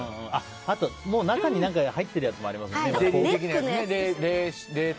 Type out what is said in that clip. あと、中に何かが入ってるやつありますもんね。